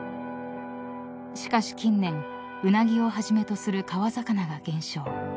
［しかし近年ウナギをはじめとする川魚が減少］